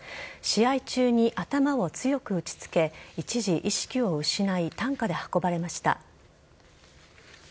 試合中に頭を強く打ちつけ一時、意識を失い担架で運ばれました。